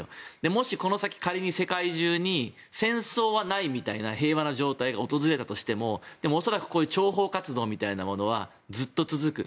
もし、この先、仮に世界中に戦争はないみたいな平和な状態が訪れたとしてもでも、恐らくこういう諜報活動みたいなものはずっと続く。